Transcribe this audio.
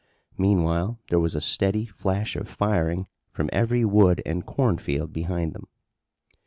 Meanwhile there was a steady flash of firing from every wood and cornfield behind them.